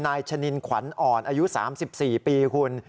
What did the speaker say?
ชะนินขวัญอ่อนอายุ๓๔ปีคุณ